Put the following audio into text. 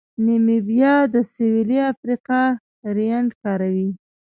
نیمیبیا د سویلي افریقا رینډ کاروي.